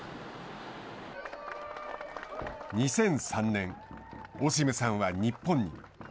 ２００３年、オシムさんは日本に。